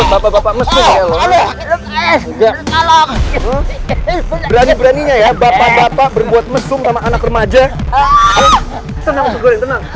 bapak bapak mesum ya lo berani beraninya ya bapak bapak berbuat mesum sama anak remaja